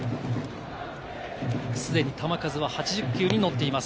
すでに球数は８０球に乗っています。